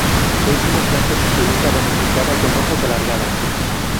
Es una planta suculenta ramificada con hojas alargadas.